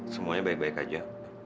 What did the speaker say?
semuanya baik baik aja